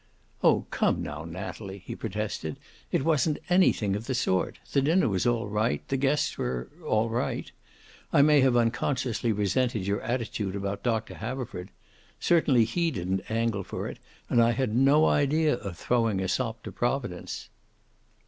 "Oh, come now, Natalie," he protested. "It wasn't anything of the sort. The dinner was all right. The guests were all right. I may have unconsciously resented your attitude about Doctor Haverford. Certainly he didn't angle for it, and I had no idea of throwing a sop to Providence."